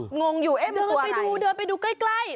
ก็งงอยู่เอ๊ะเดินไปดูใกล้